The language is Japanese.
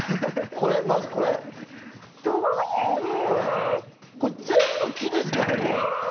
まずこれ、全部木ですから。